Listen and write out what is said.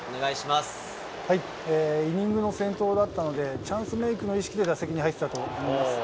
イニングの先頭だったので、チャンスメークの意識で打席に入ってたと思います。